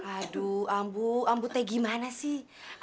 aduh ambu ambutnya gimana sih